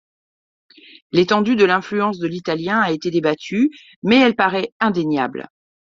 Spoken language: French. L'étendue de l'influence de l'Italien a été débattue, mais elle paraît indéniable.